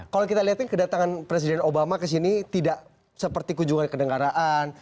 kalau kita lihatin kedatangan presiden obama ke sini tidak seperti kunjungan ke negaraan